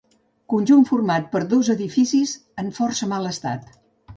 Conjunt format per dos edificis en força mal estat.